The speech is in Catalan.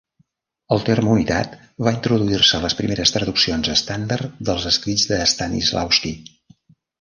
El terme unitat va introduir-se a les primeres traduccions estàndard dels escrits de Stanislavsky.